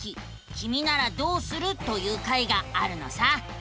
キミならどうする？」という回があるのさ。